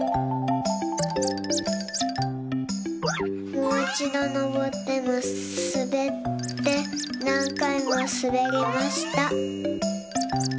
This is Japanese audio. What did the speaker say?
もういちどのぼってすべってなんかいもすべりました。